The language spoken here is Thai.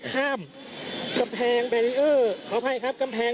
คุณภูริพัฒน์บุญนิน